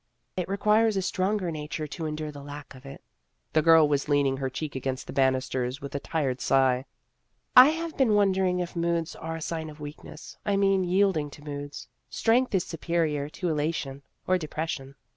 It requires a stronger nature to en dure the lack of it." The girl was leaning her cheek against the banisters with a tired sigh. " I have been wondering if moods are a sign of weakness I mean, yielding to moods. Strength is superior to elation or depression."